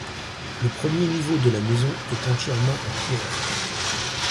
Le premier niveau de la maison est entièrement en pierre.